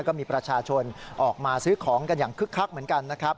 ก็มีประชาชนออกมาซื้อของกันอย่างคึกคักเหมือนกันนะครับ